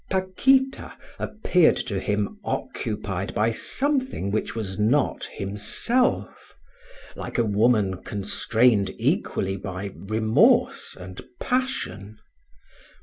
Paquita appeared to him occupied by something which was not himself, like a woman constrained equally by remorse and passion.